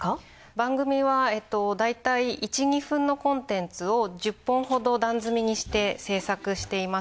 番組はだいたい１２分のコンテンツを１０本ほど段積みにして制作しています。